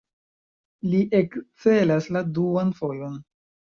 Li ekcelas la duan fojon.